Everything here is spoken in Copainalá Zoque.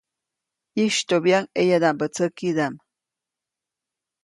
ʼYistyoʼbyaʼuŋ ʼeyadaʼmbä tsäkidaʼm.